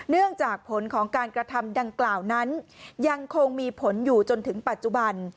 เนื่องจากผลของการกระทำดังกล่าวนั้นยังคงมีผลอยู่จนถึงปัจจุบัน